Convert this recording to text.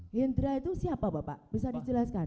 hendra itu siapa bapak bisa dijelaskan